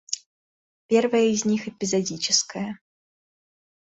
Первое из них эпизодическое.